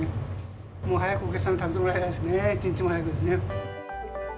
もう早くお客さんに食べてもらいたいですね、一日も早くですね。